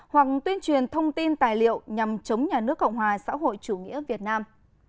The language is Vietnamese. hoặc tuyên truyền thông tin tài liệu nhằm chống nhà nước cộng hòa xã hội chủ nghĩa việt nam